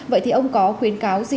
vậy thì ông có khuyến cáo gì